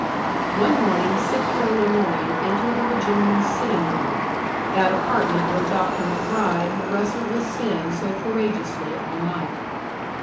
One morning Scipio le Moyne entered the Virginian's sitting room that apartment where Dr. MacBride had wrestled with sin so courageously all night.